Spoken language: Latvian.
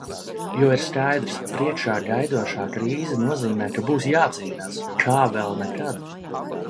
Jo ir skaidrs – priekšā gaidošā krīze nozīmē, ka būs jācīnās. Kā vēl nekad.